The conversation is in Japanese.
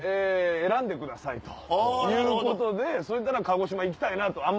選んでくださいということでそれなら鹿児島行きたいなと。